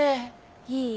いい？